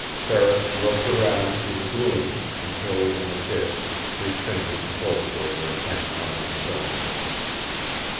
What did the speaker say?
Ferris groped around through the gloom until, in the ditch, his fingers closed over a ten pound stone.